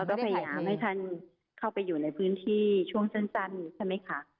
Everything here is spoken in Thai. แล้วก็พยายามให้ท่านเข้าไปอยู่ในพื้นที่ช่วงสั้นใช่ไหมคะ